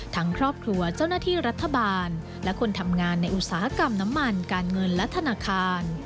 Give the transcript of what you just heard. ครอบครัวเจ้าหน้าที่รัฐบาลและคนทำงานในอุตสาหกรรมน้ำมันการเงินและธนาคาร